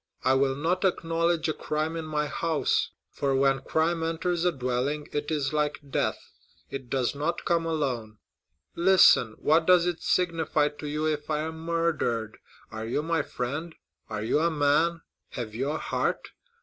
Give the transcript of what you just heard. I will not acknowledge a crime in my house; for when crime enters a dwelling, it is like death—it does not come alone.' Listen. What does it signify to you if I am murdered? Are you my friend? Are you a man? Have you a heart?